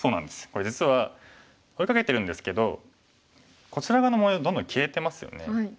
これ実は追いかけてるんですけどこちら側の模様どんどん消えてますよね。